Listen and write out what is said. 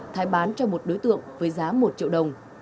thái bán cho một đối tượng với giá một triệu đồng